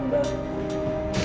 sangat baik banget sama aku